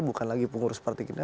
bukan lagi pengurus partai kita